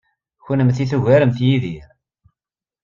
Kennemti tugaremt Yidir.